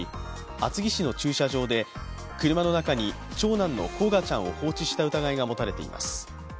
厚木市の駐車場で車の中に長男の煌翔ちゃんを放置した疑いが持たれています。